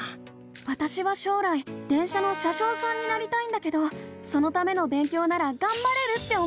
わたしは将来電車の車しょうさんになりたいんだけどそのための勉強ならがんばれるって思ったの！